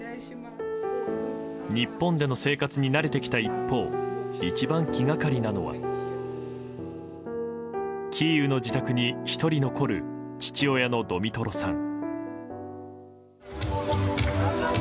日本での生活に慣れてきた一方一番気がかりなのはキーウの自宅に１人残る父親のドミトロさん。